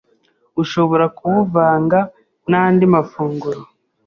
ushobora kuwuvanga n’andi mafunguro